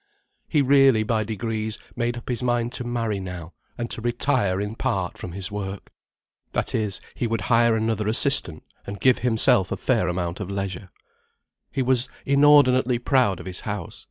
He really, by degrees, made up his mind to marry now, and to retire in part from his work. That is, he would hire another assistant, and give himself a fair amount of leisure. He was inordinately proud of his house.